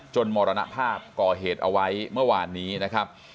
มรณภาพก่อเหตุเอาไว้เมื่อวานนี้นะครับ